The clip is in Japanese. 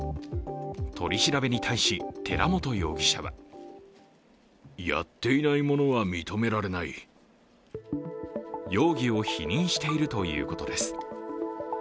取り調べに対し、寺本容疑者は容疑を否認しているということです。